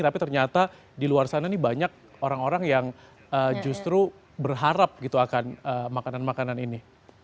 tapi ternyata di luar sana ini banyak orang orang yang justru berharap gitu akan makanan makanan ini